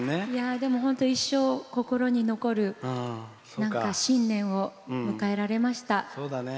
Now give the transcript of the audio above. でも一生、心に残る新年を迎えられました。